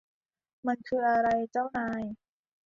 มันคืออะไร เจ้านาย